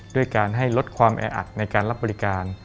ด้วยการให้ลดความแออัดในการรับบริการ